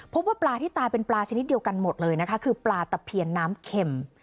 พบว่าปลาที่ตายเป็นปลาชนิดเดียวกันหมดเลยนะคะคือปลาตะเพียนน้ำเข็ม